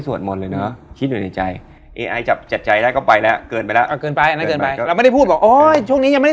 สวดมนต์